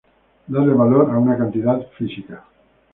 Darle valor a una cantidad física.